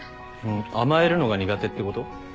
甘えるのが苦手ってこと？